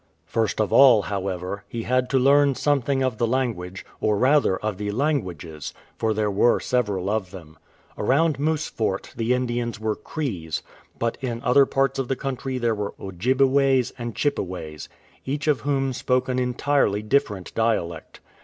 First of all, however, he had to learn something of the language, or rather of the languages, for there were several of them. Around Moose Fort the Indians were Crees, but in other parts of the country there were Ojji beways and Chippeways, each of whom spoke an entirely different dialect.